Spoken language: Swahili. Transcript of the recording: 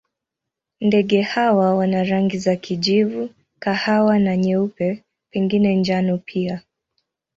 Ndege hawa wana rangi za kijivu, kahawa na nyeupe, pengine njano pia.